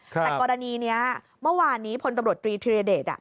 แต่กรณีนี้เมื่อวานนี้พลตำรวจตรีธิรเดช